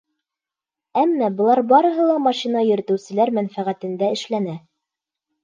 Әммә былар барыһы ла машина йөрөтөүселәр мәнфәғәтендә эшләнә.